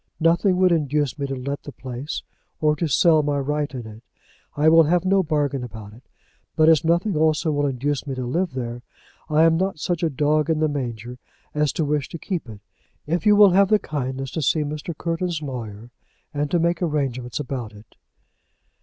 Nothing would induce me to let the place, or to sell my right in it. I will have no bargain about it. But as nothing also will induce me to live there, I am not such a dog in the manger as to wish to keep it. If you will have the kindness to see Mr. Courton's lawyer and to make arrangements about it."